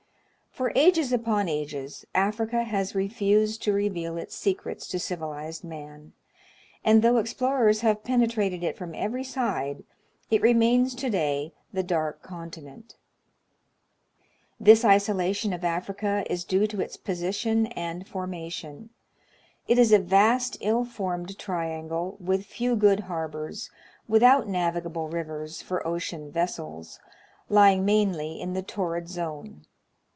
For ages upon ages, Africa has refused to reveal its Secrets to civilized man, and, though explorers have penetrated it from every side, it remains to day the dark continent. This isolation of Africa is due to its position and formation. It is a vast, ill formed triangle, with few good harbors, without navigable rivers for ocean vessels, lying mainly in the torrid zone.